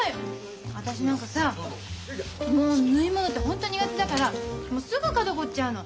私なんかさもう縫い物ってホント苦手だからすぐ肩凝っちゃうの。